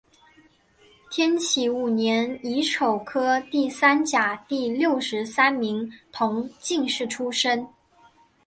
天启五年乙丑科第三甲第六十三名同进士出身。